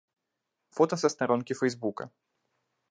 Фота са старонкі фэйсбука.